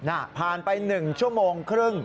ผ่านไป๑ชั่วโมงครึ่ง